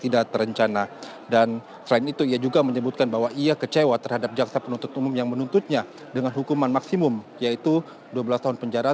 dan selain itu ia juga menyebutkan bahwa ia kecewa terhadap jaksa penuntut umum yang menuntutnya dengan hukuman maksimum yaitu dua belas tahun penjara